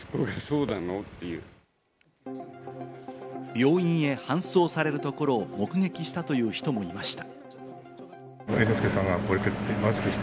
病院へ搬送されるところを目撃したという人もいました。